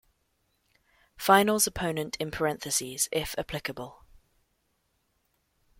Finals opponent in parentheses, if applicable.